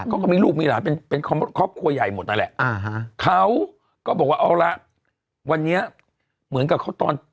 เขาก็มีลูกมีหลานเป็นครอบครัวใหญ่หมดนั่นแหละเขาก็บอกว่าเอาละวันนี้เหมือนกับเขาตอน